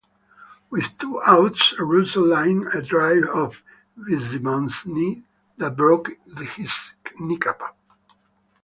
With two outs, Russo lined a drive off Fitzsimmons' knee that broke his kneecap.